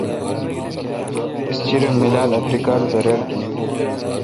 اس چِرم ام میلال ا تری کال برر گین۔